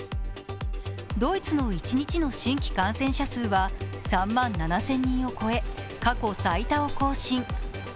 ドイツの一日の新規感染者数は３万７０００人を超え過去最多を更新。